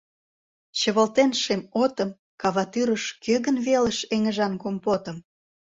Чывылтен шем отым, Каватӱрыш кӧ гын велыш Эҥыжан компотым?